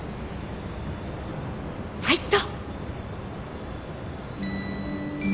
ファイト！